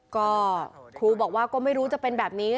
ก็ครูบอกว่าก็ไม่รู้จะเป็นแบบนี้